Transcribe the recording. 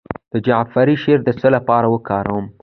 د جعفری شیره د څه لپاره وکاروم؟